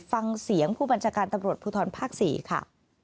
ฟังเสียงผู้บัญชาการตำรวจภูทรภาค๔ค่ะ